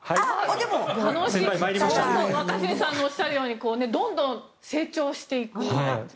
若新さんのおっしゃるようにどんどん成長していく。